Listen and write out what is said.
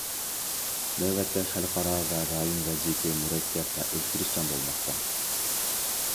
نۆۋەتتە، خەلقئارا ۋە رايون ۋەزىيىتى مۇرەككەپ ۋە ئۆزگىرىشچان بولماقتا.